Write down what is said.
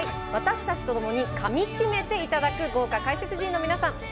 私たちとともにかみしめていただく豪華解説陣の皆さん